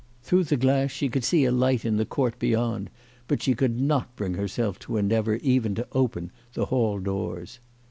Through the glass she could see a light in the court beyond, but she could not bring herself to endeavour even to open the hall doors.